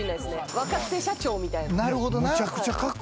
若手社長みたいな。